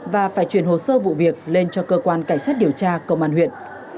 và phải chuyển hồ sơ vụ việc lên cho cơ quan cảnh sát điều tra công an huyện